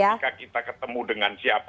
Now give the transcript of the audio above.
banyak orang yang kita ketemu dengan siapa